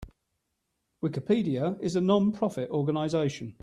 Wikipedia is a non-profit organization.